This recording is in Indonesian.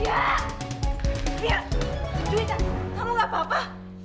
jujur aja kamu gak apa apa